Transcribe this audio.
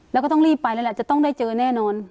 แล้วก็ต้องรีบไปแล้วแหละจะต้องได้เจอแน่นอน